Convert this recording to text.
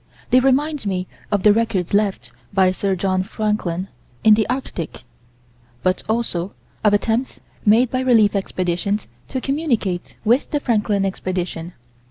They remind me of the records left, by Sir John Franklin, in the Arctic; but, also, of attempts made by relief expeditions to communicate with the Franklin expedition.